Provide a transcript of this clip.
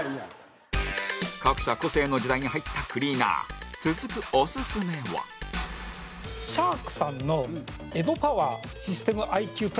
各社、個性の時代に入ったクリーナー続くオススメはかじがや：